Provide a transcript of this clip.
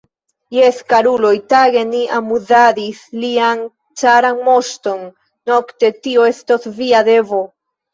Jes, karuloj, tage ni amuzadis lian caran moŝton, nokte tio estos via devo.